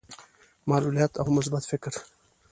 معلوليت او مثبت فکر.